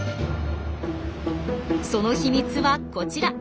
その秘密はこちら。